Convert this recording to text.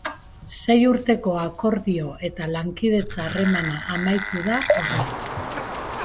Sei urteko akordio eta lankidetza harremana amaitu da horrela.